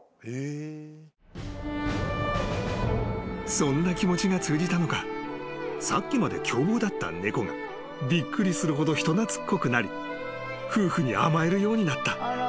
［そんな気持ちが通じたのかさっきまで凶暴だった猫がびっくりするほど人懐っこくなり夫婦に甘えるようになった］